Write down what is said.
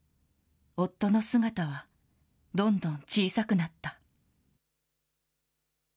夫の姿はどんどん小さくなった。